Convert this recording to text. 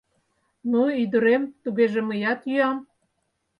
— Ну, ӱдырем, тугеже мыят йӱам.